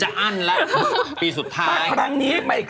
ห้าปี